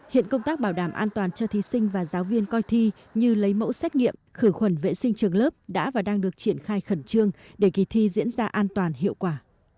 hiện công tác bảo đảm an toàn cho thí sinh và giáo viên coi thi như lấy mẫu xét nghiệm khử khuẩn vệ sinh trường lớp đã và đang được triển khai khẩn trương để kỳ thi diễn ra an toàn hiệu quả